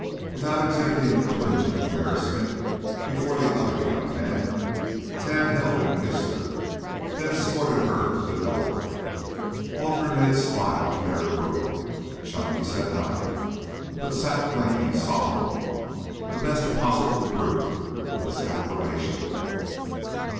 Without exhibiting a twinge of embarrassment before the other young men, Tad held and kissed her, then escorted her to the door. Walter and Ned smiled their approval. Chunky said nothing, but sat blinking solemnly the best possible proof of his approbation.